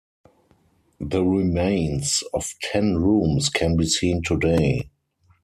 The remains of ten rooms can be seen today.